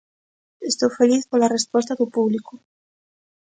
Estou feliz pola resposta do público.